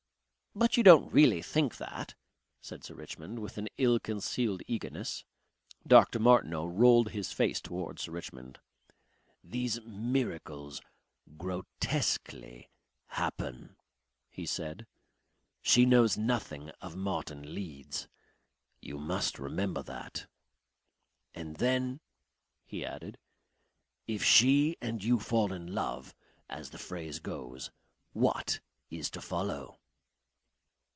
"But you don't really think that?" said Sir Richmond, with an ill concealed eagerness. Dr. Martineau rolled his face towards Sir Richmond. "These miracles grotesquely happen," he said. "She knows nothing of Martin Leeds.... You must remember that.... "And then," he added, "if she and you fall in love, as the phrase goes, what is to follow?"